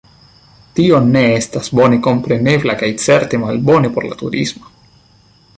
Tio ne estas bone komprenebla kaj certe malbone por la turismo.